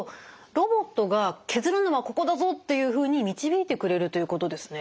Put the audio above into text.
ロボットが「削るのはここだぞ」というふうに導いてくれるということですね。